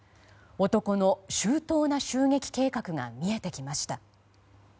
男の周到な襲撃計画が見えてきました。